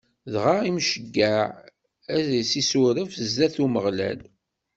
Dɣa Imceyyeɛ ad s-issuref zdat n Umeɣlal.